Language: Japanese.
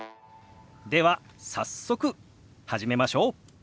では早速始めましょう。